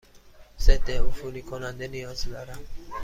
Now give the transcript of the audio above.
ضدعفونی کننده نیاز دارم.